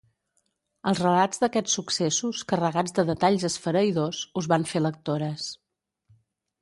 Els relats d'aquests successos, carregats de detalls esfereïdors, us van fer lectores.